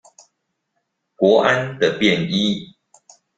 國安的便衣